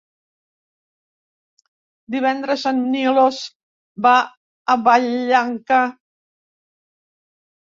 Divendres en Milos va a Vallanca.